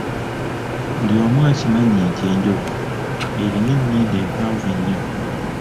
Buli 'omu akimanyi nti enjovu erina ennyindo empanvu ennyo.